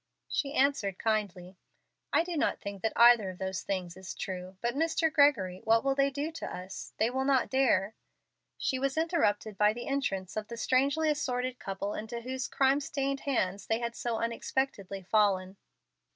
She answered, kindly, "I do not think that either of those things is true. But, Mr. Gregory, what will they do with us? They will not dare " She was interrupted by the entrance of the strangely assorted couple into whose crime stained hands they had so unexpectedly fallen.